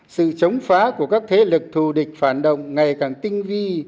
sự chống phá của các thế lực thù địch phản động ngày càng tinh vi